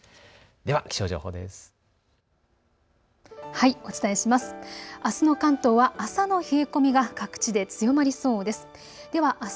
では気象情報です。